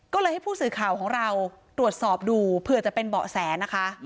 ก็เลยให้ผู้สื่อข่าวของเราตรวจสอบดูเผื่อจะเป็นเบาะแสนะคะ